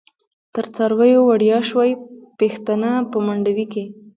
تر څارویو وړیاشوی، پیښتنه په منډوی کی